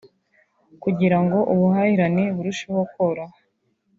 kugirango ubuhahirane burusheho koroha